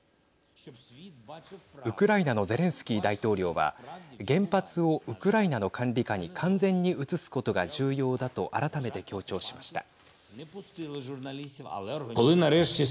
ウクライナのゼレンスキー大統領は原発をウクライナの管理下に完全に移すことが重要だと改めて強調しました。